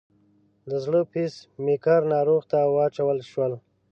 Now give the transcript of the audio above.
د زړه پیس میکر ناروغ ته واچول شو.